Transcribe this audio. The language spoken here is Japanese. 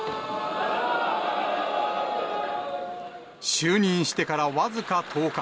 就任してから僅か１０日。